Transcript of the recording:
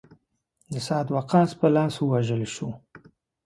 د سعد وقاص په لاس ووژل شو.